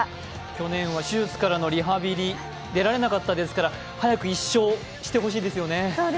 去年はリハビリ、出られなかったですから、早く１勝してほしいですよね。